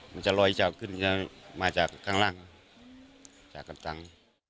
มันจะลอยจากข้างล่างจากการตัง